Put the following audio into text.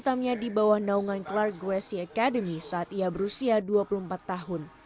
hitamnya di bawah naungan clark gracie academy saat ia berusia dua puluh empat tahun